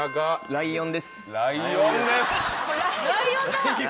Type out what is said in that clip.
ライオンですか？